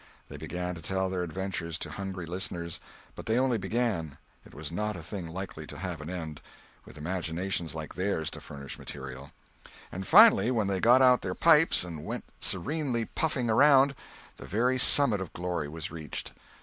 They began to tell their adventures to hungry listeners—but they only began; it was not a thing likely to have an end, with imaginations like theirs to furnish material. And finally, when they got out their pipes and went serenely puffing around, the very summit of glory was reached.